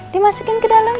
dimasukin ke dalam